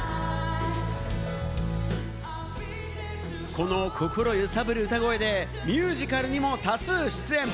この心揺さぶる歌声でミュージカルにも多数出演。